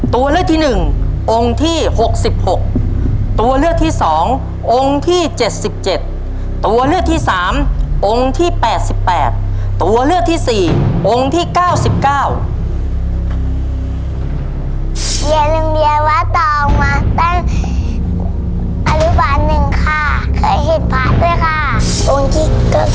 ตัวเลขที่๑องค์ที่๖๖ตัวเลขที่๒องค์ที่๗๗ตัวเลขที่๓องค์ที่๘๘ตัวเลขที่๔องค์ที่๙๙